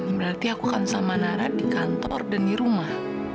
berarti aku akan sama nara di kantor dan di rumah